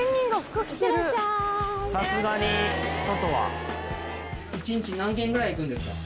「さすがに外は」一日何軒ぐらい行くんですか？